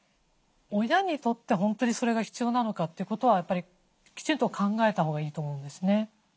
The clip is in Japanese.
親にとって本当にそれが必要なのかということはやっぱりきちんと考えたほうがいいと思うんですね。